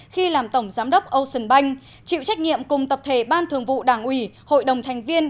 khi làm tổng giám đốc ocean bank chịu trách nhiệm cùng tập thể ban thường vụ đảng ủy hội đồng thành viên